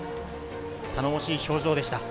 頼もしい表情でした。